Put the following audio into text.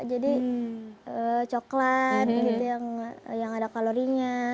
jadi coklat gitu yang ada kalorinya